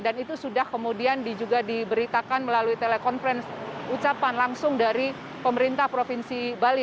dan itu sudah kemudian diberitakan melalui telekonferensi ucapan langsung dari pemerintah provinsi bali